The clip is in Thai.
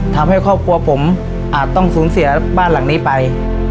ทำให้ครอบครัวผมอาจต้องสูญเสียบ้านหลังนี้ไป